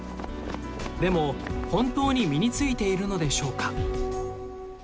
でも本当に身に付いているのでしょうか？